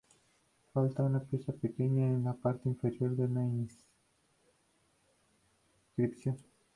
Falta una pieza pequeña en la parte inferior de la inscripción.